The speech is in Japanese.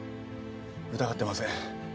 疑ってません。